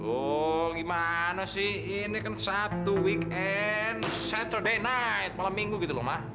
oh gimana sih ini kan sabtu weekend saturday night malam minggu gitu loh ma